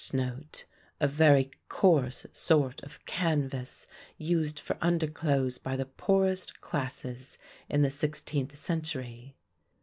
A very coarse sort of canvas used for underclothes by the poorest classes in the sixteenth century.